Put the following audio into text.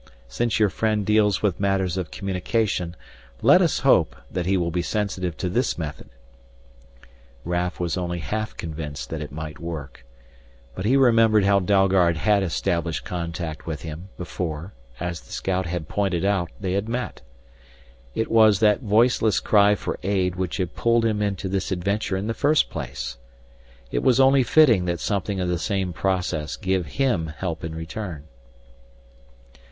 Since your friend deals with matters of communication, let us hope that he will be sensitive to this method." Raf was only half convinced that it might work But he remembered how Dalgard had established contact with him, before, as the scout had pointed out, they had met. It was that voiceless cry for aid which had pulled him into this adventure in the first place. It was only fitting that something of the same process give him help in return.